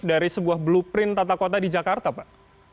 dari sebuah blueprint tata kota di jakarta pak